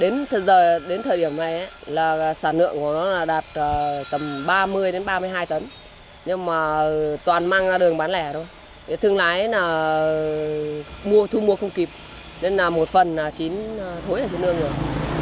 nên là một phần là chín thối ở trên nương rồi